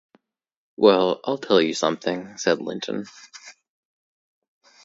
‘Well, I’ll tell you something!’ said Linton.